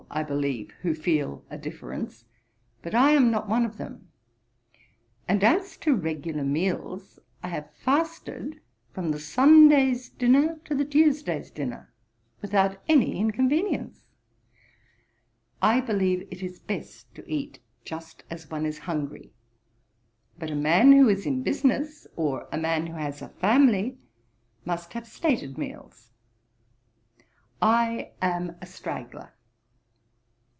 I believe, who feel a difference; but I am not one of them. And as to regular meals, I have fasted from the Sunday's dinner to the Tuesday's dinner, without any inconvenience. I believe it is best to eat just as one is hungry: but a man who is in business, or a man who has a family, must have stated meals. I am a straggler.